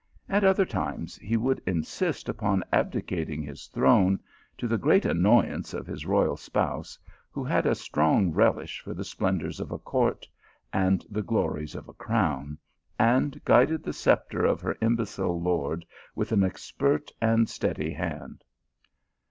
At other times he would insist upon abdicating his throne, to the great annoyance of his royal spouse, who had a strong relish for the splendours of a court and the glories of a crown, and guided the sceptre of her imbecile lord with an expert and steady hand.